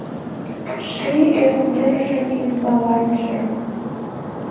Ший ӧртньӧржын ӱмбаланже